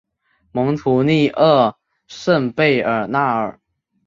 蒙图利厄圣贝尔纳尔。